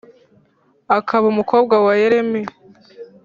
akaba umukobwa wa Yeremi